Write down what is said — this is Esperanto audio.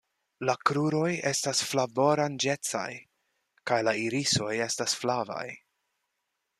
La kruroj estas flavoranĝecaj kaj la irisoj estas flavaj.